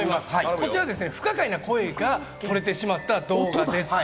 こちら、不可解な声が撮れてしまった動画です。